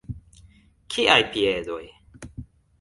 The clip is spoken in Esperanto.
Kiaj piedoj?